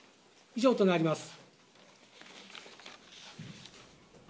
以上となります。